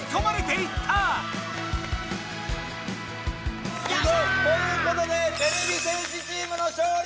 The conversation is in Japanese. やった！ということでてれび戦士チームの勝利！